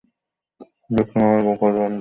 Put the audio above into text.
দেখলুম আমার উপর বাবু ক্রুদ্ধ।